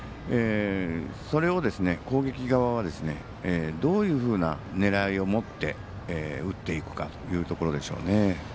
それを攻撃側はどういうふうな狙いを持って打っていくかというところでしょうね。